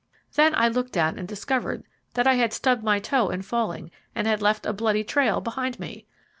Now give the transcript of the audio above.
Then I looked down and discovered that I had stubbed my toe in falling, and had left a bloody trail behind me.